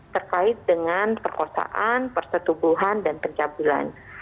terkait dengan perkosaan persetubuhan dan pencabulan